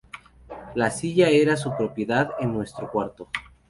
La silla era su propiedad en nuestro cuarto.